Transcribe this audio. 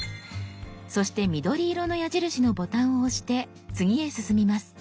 そして緑色の矢印のボタンを押して次へ進みます。